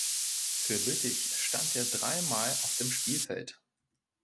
Für Lüttich stand er dreimal auf dem Spielfeld.